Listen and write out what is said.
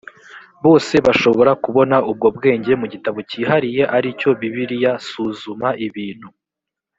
bose bashobora kubona ubwo bwenge mu gitabo cyihariye ari cyo bibiliya suzuma ibintu